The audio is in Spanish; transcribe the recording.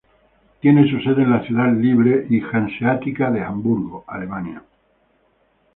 Tiene su sede en la Ciudad Libre y Hanseática de Hamburgo, Alemania.